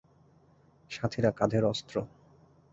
সাথীরা, কাধের অস্ত্র!